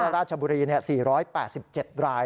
ราชบุรี๔๘๗ราย